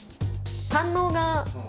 反応が。